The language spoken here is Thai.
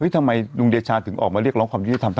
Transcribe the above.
ทำไมลุงเดชาถึงออกมาเรียกร้องความยุติธรรม